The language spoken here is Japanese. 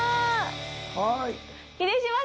はい。